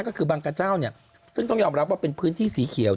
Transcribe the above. ก็คือบางกระเจ้าเนี่ยซึ่งต้องยอมรับว่าเป็นพื้นที่สีเขียว